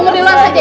ini raksa ya